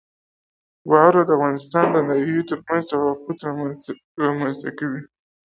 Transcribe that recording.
واوره د افغانستان د ناحیو ترمنځ تفاوتونه رامنځته کوي.